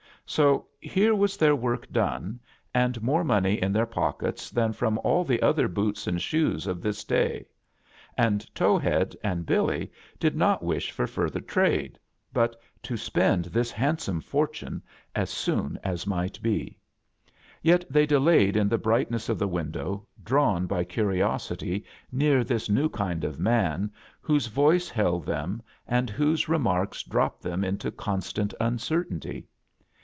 So here was their work done, and more money in their pock ets than from all the other boots and shoes of this day; and Towhead and Billy not wish for further trade, but to spend this handsome fortone as soon as A. JOURNEY IN SEARCH OF CHRISTMAS tnishtbe. Yet they delayed in the bright ness of the window, drawn by ctiriosHy near this new kind of man whose voice held them and whose remarks dropped them into constant uncertainty.